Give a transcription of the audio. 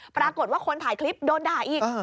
ปรากฏว่าคนถ่ายคลิปโดนด่าอีก